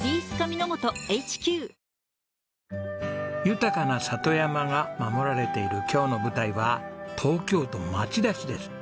豊かな里山が守られている今日の舞台は東京都町田市です。